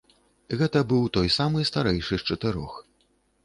Гэта быў той самы старэйшы з чатырох.